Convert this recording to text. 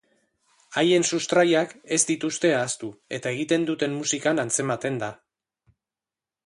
Haien sustraiak ez dituzte ahaztu eta egiten duten musikan antzematen da.